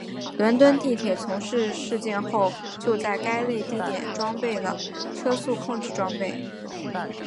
伦敦地铁从该事件后就在该类地点装设了车速控制装备。